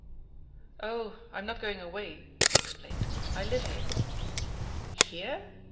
"Oh, I'm not going away," he explained, "i live here." "Here?"